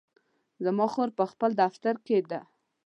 زما خور په خپل دفتر کې ده